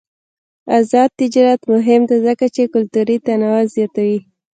آزاد تجارت مهم دی ځکه چې کلتوري تنوع زیاتوي.